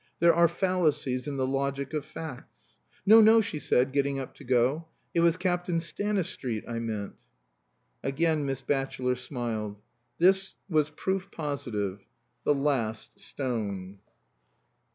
There are fallacies in the logic of facts. "No, no," she said, getting up to go. "It was Captain Stanistreet I meant." Again Miss Batchelor smiled. This was proof positive the last stone.